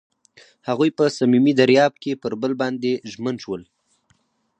هغوی په صمیمي دریاب کې پر بل باندې ژمن شول.